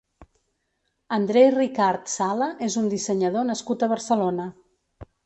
André Ricard Sala és un dissenyador nascut a Barcelona.